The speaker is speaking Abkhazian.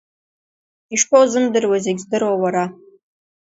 Ишԥаузымдыруеи зегь здыруа уара!